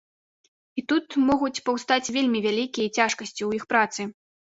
І тут могуць паўстаць вельмі вялікія цяжкасці ў іх працы.